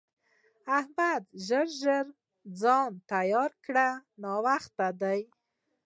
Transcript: احمده! ژر ژر ځان تيار کړه؛ ناوخته دی.